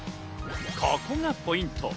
ここがポイント。